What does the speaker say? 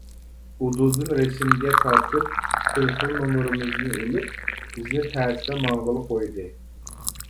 ئۇدۇلدىن رەسىمگە تارتىپ تېلېفون نومۇرىمىزنى ئېلىپ بىزنى تەستە ماڭغىلى قويدى.